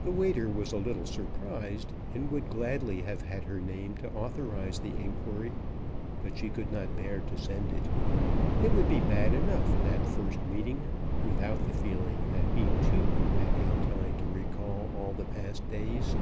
The waiter was a little surprised, and would gladly have had her name to authorise the enquiry but she could not bear to send it: it would be bad enough that first meeting, without the feeling that he, too, had had time to recall all the past days.